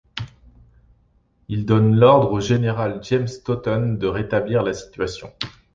Il donne l'ordre au général James Totten de rétablir la situation.